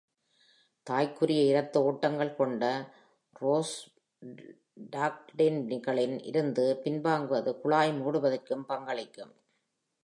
தாய்க்குரிய இரத்த ஓட்டங்கள் கொண்ட ப்ரோஸ்டாக்ளான்டின்களில் இருந்து பின்வாங்குவது குழாய் மூடுவதற்கும் பங்களிக்கும்.